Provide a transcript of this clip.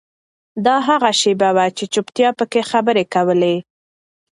دا هغه شیبه وه چې چوپتیا پکې خبرې کولې.